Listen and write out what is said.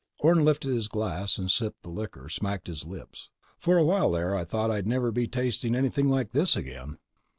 Orne lifted his glass, sipped the liquor, smacked his lips. "For a while there, I thought I'd never be tasting anything like this again."